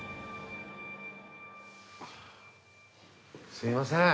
すいません。